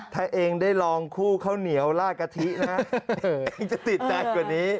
ถ้าเองได้ลองคู่ข้าวเหนียวลาดกะทินะเองจะติดใจกว่านี้